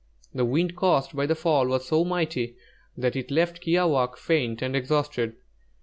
The wind caused by their fall was so mighty that it left Kiāwāhq' faint and exhausted.